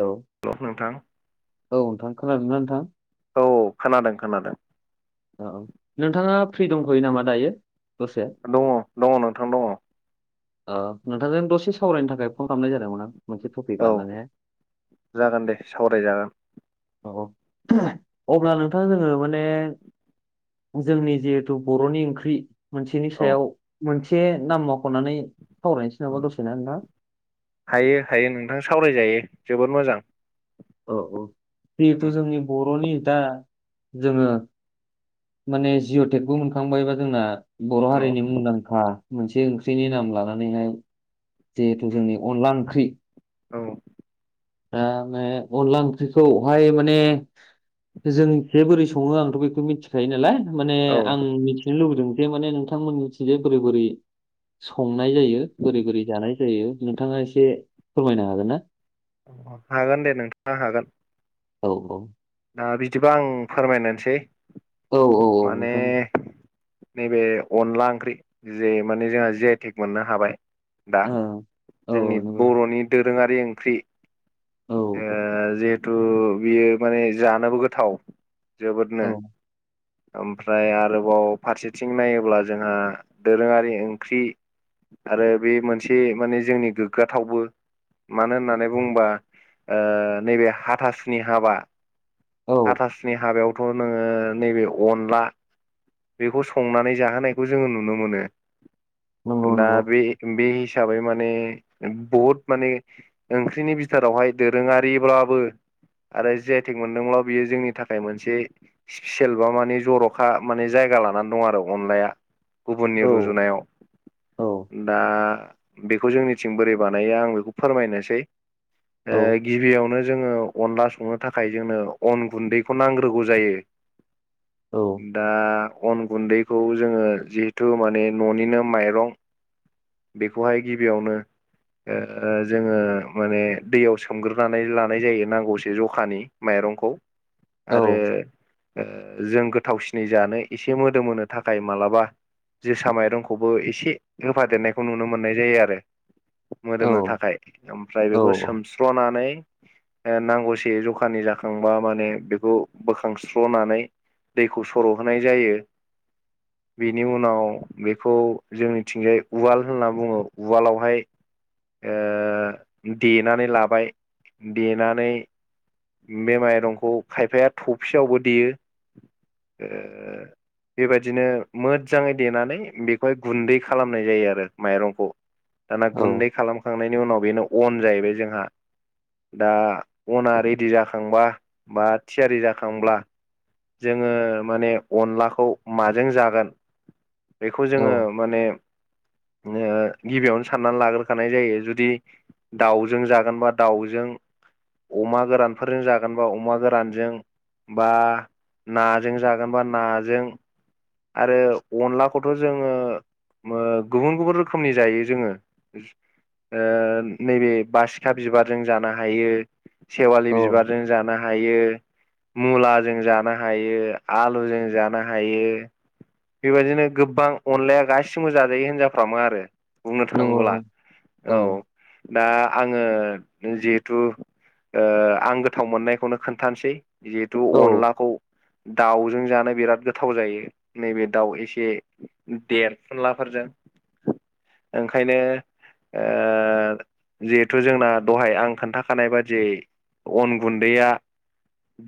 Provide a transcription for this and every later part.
हेल' औ नोंथां खोनादोंना नोंथां? औ खोनादों खोनादों। औ नोंथाङा फ्रि दंथ'यो नामा दायो? दसे दङ दङ नोंथां दङ ओ नोंथांजों दसे सावरायनो थाखाय फन खालामनाय जादोंमोन आं। मोनसे टपिक औ लानानैहाय जागोन दे सावरायजागोन। औ अब्ला नोंथां जोङो माने जोंनि जिहेथु बर'नि ओंख्रि मोनसेनि औ सायाव मोनसे नाम मख'नानै सावरायनोसै नामा औ दसेनो नोंथां हायो हायो नोंथां सावरायजायो जोबोद मोजां। औ औ जिहेथु उम जोंनि बर'नि दा जोङो माने जिअ'टेकबो मोनखांबाय बा जोंना बर' औ हारिनि मुंदांखा मोनसे ओंख्रिनि नाम लानानैहाय जिहेथु उम जोंनि अनला ओंख्रि औ दा बे अनला ओंख्रिखौहाय माने जों जे बोरै सङो आंथ' बेखौ मिथिखायो नालाय माने औ आं मिथिनो लुबैदों जे माने नोंथांमोननिथिं जे बोरै बोरै सं नाय जायो बोरै बोरै जानाय जायो नोंथाङा एसे फोरमायनो हागोन ना? हागोन दे नोंथाङा हागोन औ औ दा बिदिबा आं फोरमायनायसै औ औ औ नोंथां। नैबे अनला ओंख्रि जे माने जोंहा जि आइ टिक मोननो हाबाय। दा ओ औ जोंनि नंगौ बर'नि दोरोङारि ओंख्रि औ ओ जिहेथु बियो माने जानोबो गोथाव जोबोदनो औ ओमफ्राय आरोबाव फारसेथिं नायोब्ला जोंहा दोरोङारि ओंख्रि आरो बे मोनसे माने जोंनि गोग्गाथावबो मानो होननानै बुङोबा ओ नैबे हाथासुनि हाबा औ हाथासुनि हाबायावथ' नोङो नैबे अनला बेखौ संनानै जाहोनायखौ जोङो नुनो मोनो। नंगौ दा नंगौ बे बे हिसाबै माने बहुद माने ओंख्रिनि बिथोरावहाय दोरोङारिब्लाबो आरो जि आइ थेग मोनदोंब्ला बियो जोंनि थाखाय मोनसे स्पिसिल बा माने जर'खा माने जायगा लानानै दं आरो अ अनलाया गुबुननि औ रुजुनायाव। औ दा बेखौ जोंनिथिं बोरै बानायो आं बेखौ फोरमायनोसै औ गिबियावनो जोङो अनला संनो थाखाय जोंनो अन गुन्दैखौ नांग्रोगौ जायो। औ दा अन गुन्दैखौ जोङो जिहेथु माने न'निनो माइरं बेखौहाय गिबियावनो ओ जोङो माने दैयाव सोमग्रोनानै लानाय जायो नांगौसे जखानि माइरंखौ। औ आरो जों गोथावसिनै जानो एसे मोदोम होनो थाखाय मालाबा जोसा माइरंखौबो एसे होफादेरनायखौ नुनो मोननाय जायो आरो। औ मोदोमनो थाखाय ओमफ्राय औ बेखौ सोमस्र'नानै नांगौसे जखा फानि जाखांबा माने बेखौ बोखांस्र'नानै दैखौ सर' होनोनाय जायो। बेनि उनाव बेखौ जोंनिथिंजाय उवाल होनना बुङो उवालावहाय ओ देनानै लाबाय देनानै बे माइरंखौ खायफाया थफसेयावबो देयो। बेबायदिनो मोजाङै देनानै बेखौहाय गुन्दै खालामनाय जायो आरो माइरंखौ दाना गुन्दै खालामखांनायनि उनाव बेनो अन जाहैबाय जोंहा। दा अना रेडि जा खांबा बा थियारि जाखांब्ला जोङो माने अनलाखौ माजों जागोन, बेखौ जोङो औ माने ओ गिबियावनो साननानै लाग्रोखानाय जायो जुदि दाउजों जागोनबा दाउजों, अमा गोरान फोरजों जागोनबा अमा गोरानजों बा नाजों जागोन बा नाजों आरो अनलाखौथ' जोङो गुबुन गुबुन रोखोमनि जायो जोङो। ओ नैबे बासिखा बिबारजों जानो हायो सेवालि औ बिबारजों जानो हायो मुलाजों जानो हायो आलुजों जानो हायो बेबायदिनो गोबां अनलाया गासिबो जाजायो होनजाफ्रामो आरो बुंनो नंगौ थाङोब्ला, औ। दा आङो जिहेथु ओ आं गोथाव मोननायखौनो खोन्थानोसै जिहेथु औ अनलाखौ दाउजों जानो बिराद गोथाव जायो। नैबे दाउ एसे देरफुनलाफोरजों ओंखायनो जिहेथु जोंना दहाय आं खोन्थाखानाय बादियै अन गुन्दैया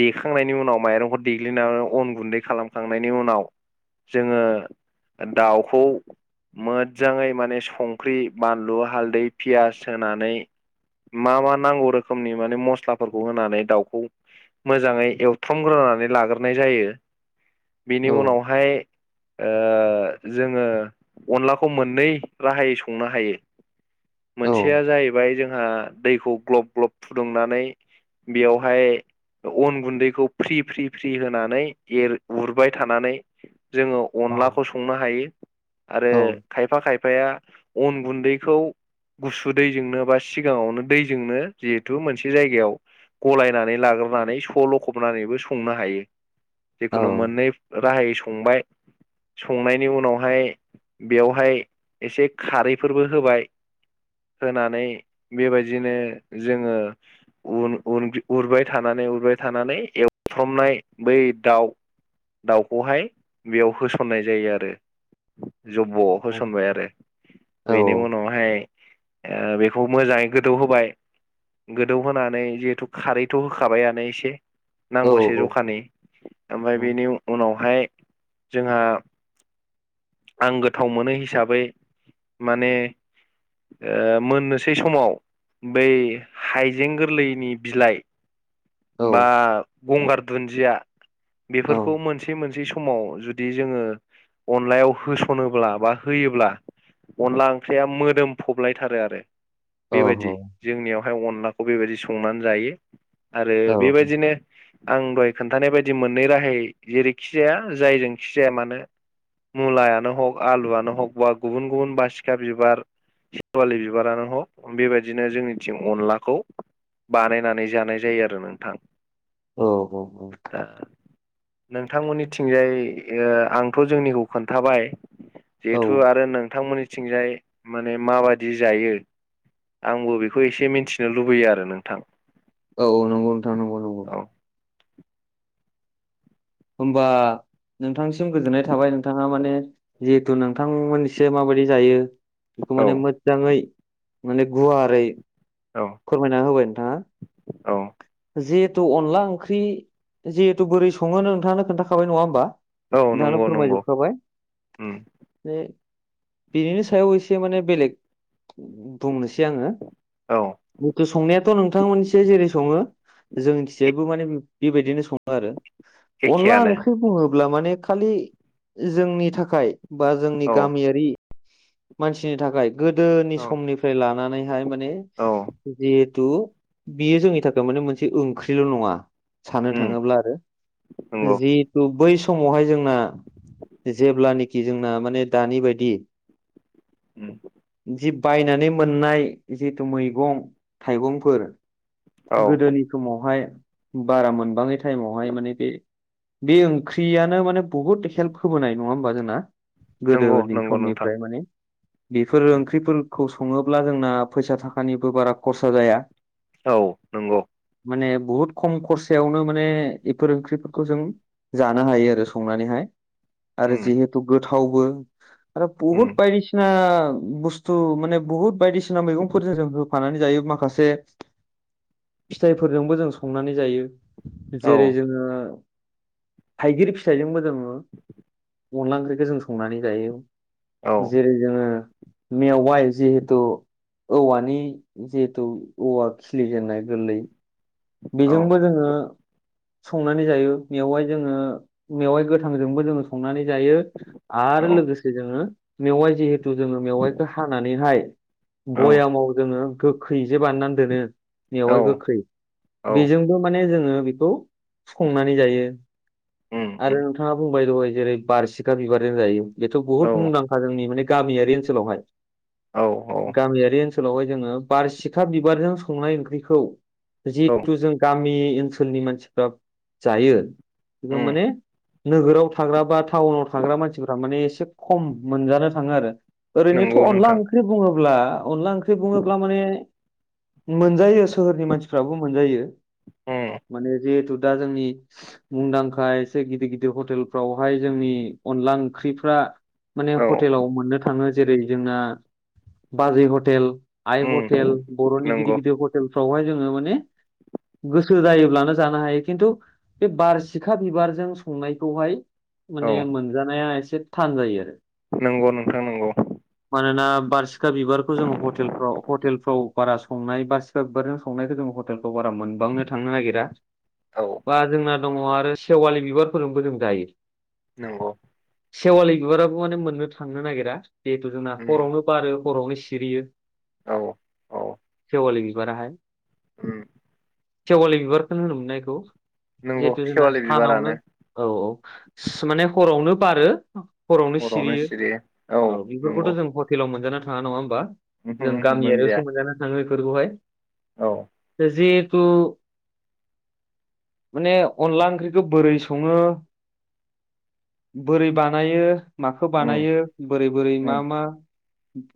देखांनायनि उनाव माइरंखौ देग्लिनानै अन गुन्दै खालामखांनायनि उनाव जोङो दाउखौ मोजाङै माने संख्रि बानलु हालदै पियास होनानै मा मा नांगौ रोखोमनि माने मस्लाफोरखौ होनानै दाउखौ मोजाङै एवथामग्रोनानै लाग्रोनाय जायो बेनि उनावहाय ओ जोङो अनलाखौ मोननै राहायै संनो हायो मोनसेया औ जाहैबाय जोंहा दैखौ ग्लब ग्लब फुदुंनानै बेयावहाय अन गुन्दैखौ फ्रि फ्रि फ्रि होनानैर उरबाय थानानै जोङो औ अनलाखौ संनो हायो आरो औ खायफा खायफा फाया अन गुन्दैखौ गुसु दैजोंनो बा सिगाङावनो दैजोंनो जिहेथु मोनसे जायगायाव गलायनानै लाग्रोनानै स' ल'खबनानैबो संनो हायो औ जिखुनु मोननै राहायै संबाय संनायनि उनावहाय बेवहाय एसे खारैफोरबो होबाय होनानै बेबायदिनो जोङो उन उ उरबाय थानानै उरबाय थानानै एवफ्रामनाय बै दाउ दाउखौहाय बेयाव होसननाय जायो आरो जब्ब' औ होसनबाय आरो औ बेनि उनावहाय बेखौ मोजाङै गोदौ होबाय। गोदौहोनानै जिहेथु खारैथ' होखाबायानो एसे। औ नांगौसे जखानि ओमफ्राय बेनि उनावहाय जोंहा आं गोथाव मोनो हिसाबै माने ओ मोननोसै समाव बै हाइजें गोरलैनि बिलाइ औ बा गंगार दुन्दिया बेफोरखौ मोनसे मोन समाव जुदि जोङो अनलायाव होसनोब्ला बा होयोब्ला अनला ओंख्रिया मोदोम फबलायथारो आरो। औ बेबायदि जोंनियावहाय अनलाखौ बेबायदि संनानै जायो आरो बेबायदिनो आं दहाय खोनथानाय बायदि मोननै राहायै जेरैखि खिजाया जायजोंखि जाया मानो मुलायानो हग आलुआनो हग बा गुबुन गुबुन बासिखा बिबार सेवालि बिबारानो हक बेबायदिनो जोंनिथिं अनलाखौ बानायनानै जानाय जायो आरो नोंथां औ औ औ दा नोंथांमोननिथिंजाय ओ आंथ जोंनिखौ खोन्थाबाय औ जिहेथु आरो नोंथांमोननिथिंजाय माने माबायदि जायो आंबो बेखौ एसे मिनथिनो लुबैयो आरो नोंथां औ औ नंगौ नोंथां नंगौ नंगौ औ होमबा नोंथांनिसिम गोजोननाय थाबाय नोंथाङा माने जिहेथु नोंथांमोनसे माबायदि जायो बेखौ औ माने मोजाङै माने गुवारै औ फोरमायना होबाय नोंथाङा औ। जिहेथु अनला ओंख्रि जिहेथु बोरै सङो नोंथाङानो खोन्थाखाबाय नङा होमबा औ नोंथाङानो नंगौ फोरमाय नंगौ जोबखाबाय उम बे बिनिनि सायाव एसे माने बेलेग बुंनोसै आङो औ [unintelligible] संनायाथ नोंथांमोनथिंजाय जेरै सङो जोंनिथिंजायबो माने बेबायदिनो सङो आरो अनला एखेयानो ओंख्रि बुङो अब्ला माने खालि जोंनि थाखाय बा जोंनि औ गामियारि मानसिनि थाखाय गोदोनि औ समनिफ्राय लानानैहाय माने औ जि थु बेयो जोंनि थाखाय माने मोनसे ओंख्रिल नङा सानो उम थाङोब्ला आरो नंगौ जिहेथु बै सम मावहाय जोंना जेब्लानोखि जोंना माने दानि बायदि उम जि बायनानै मोननाय जिथु मैगं थाइगंफोर औ गोदोनि समावहाय बारा मोनबाङै टाइमावहाय माने बे बे ओंख्रियानो माने बहुत हेल्प होबोनाय नङा होमबा जोंना नंगौ गोदोनि नंगौ नोंथां समनिफ्राय माने बेफोरो ओंख्रिफोर खौ सङोब्ला जोंना फैसा थाखानिबो बारा खरसा जाया औ नोंगौ माने बुहुद खम खरसायावनो माने एफोर ओंख्रिफोरखौ जों जानो हायो आरो संनानैहाय आरो उम जिहेथु गोथावबो आरो उम बहुद बायदिसिना बुस्थु माने बुहुत बायदिसिना मैगंफोरजों जों होफानानै जायो माखासे फिथाइफोरजोंबो जों संनानै जायो औ जेरै जोंङो थाइगिर फिथाइजोंबो जोङो अनला ओंख्रिखो जों संनानै जायो औ जेरै जोङो मेवाइ जिहेथु औवानि जिहेथु औवा खिलिजेननाय गोरलै औ बेजोंबो जोङो संनानै जायो मेवाइ जोङो मेवाइ गोथांजोंबो जोङो संनानै जायो औ आरो लोगोसे जोङो मेवाइ जोङो मेवाइखौ हानानैहाय औ भयामाव जोङो गोखै जे बाननानै दोनो औ बेवहाय गोखै औ बेजोंबो माने जोङो बेखौ संनानै जायो उम आरो उम नोंथाङा बुं बाय दहाय जेरै बारसिखा बिबारजों जायो बेथ औ बुहुद मुंदांखा जोंनि माने गामियारि ओनसोलावहाय औ औ गामियारि ओनसोलावहाय जोङो बारसिखा बिबारजों संनाय ओंख्रिखौ औ जिहेथु जों गामि ओनसोलनि मानसिफ्रा जायो बेखौ उम माने नोगोराव थाग्रा बा टाउनाव थाग्रा मानसिफ्रा माने एसे खम मोनजानो थाङो आरो ओरैनोथ' नंगौ अनला नोंथां ओंख्रि बुङोब्ला अनला ओंख्रि बुङोब्ला माने मोनजायो सोहोरनि मानसिफ्राबो मोनजायो उम माने जिहेथु दा जोंनि मुंदांखा एसे गिदिर गिदिर हटेलफ्रावहाय जोंनि अनला ओंख्रिफ्रा माने औ हटेलाव मोननो थाङो जेरै जोंना बाजै हटेल आइ उम हटेल बर'नि नंगौ गिदिर गिदिर हटेलफ्रावहाय जोङो माने गोसो जायोब्लानो जानो हायो खिन्थु बे बारसिखा बिबारजों संनायखौहाय औ माने मोनजानाया एसे थान जायो आरो नंगौ नोंथां नंगौ मानोना बारसिखा बिबारखौ जोङो हेलफ्राव हटेलफ्राव बारा संनाय बारसिखा बिबारजों संनायखौ जों हटेल बारा मोनबांनो थांनो नागिरा औ बा जोंना दङ आरो सेवालि बिबारफोरजोंबो जों जायो नंगौ सेवालि बिबाराबो माने मोननो थांनो नागिरा जिहेथु जोंना उम हरावनो बारो हरावनो सिरियो औ औ [unintelligible] बिबारा हय उम सेवालि बिबारखौनो होनोमोनना बिखौ नंगौ जिहेथु जोंना सेवालि सानावनो बिबारानो औ औ माने हरावनो बारो हरावनो सिरियो औ बेफोरखौथ' जों हटेलाव मोनजानो थाङा नङा होमबा उमहो जों उमहो मोनजाया गामियारियावसो मोजानानो थाङो बेफोरखौहाय औ जेहेतु माने अनला ओंख्रिखौ बोरै सङो बोरै बानायो माखौ उम बानायो बोरै बोरै उम मा मा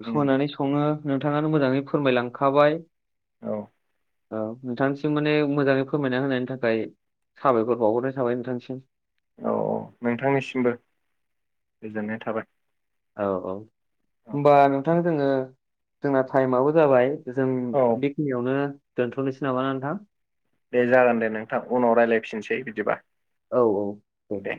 उम होनानै सङो नोंथाङानो मोजाङै फोरमायलांखाबाय औ औ नोंथांसिम माने मोजाङै फोरमायना होनायनि थाखाय साबायखर बावहरनाय थाबाय नोंथांसिम औ नोंथांनिसिमबो गोजोननाय थाबाय औ औ औ होनबा नोंथां जोङो जोंना टाइमआो जाबाय जों औ बेखिनियावनो दोनथ'नोसै नामाा नोंथां दे जागोन दे नोंथां उनाव रायज्लायफिनसै बिदिबा औ औ दे